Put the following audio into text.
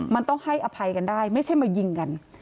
มันต้องให้อภัยกันได้ไม่ใช่มายิงกัน